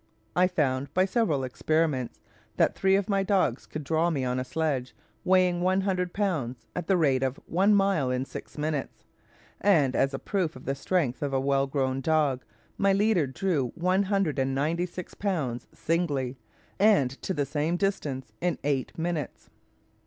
I found, by several experiments, that three of my dogs could draw me on a sledge, weighing one hundred pounds, at the rate of one mile in six minutes; and as a proof of the strength of a well grown dog, my leader drew one hundred and ninety six pounds singly, and to the same distance, in eight minutes.